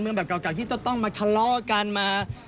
แบบเก่าที่จะต้องมาทะเลาะกันมา